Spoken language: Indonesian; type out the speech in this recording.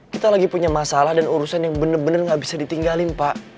kita lagi punya masalah dan urusan yang benar benar nggak bisa ditinggalin pak